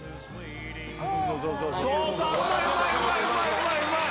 うまいうまい！